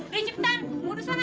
recep tan mundur sana